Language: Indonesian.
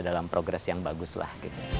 dalam progres yang bagus lah